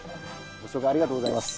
ご紹介ありがとうございます。